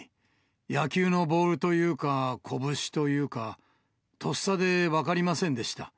野球のボールというか、拳というか、とっさで分かりませんでした。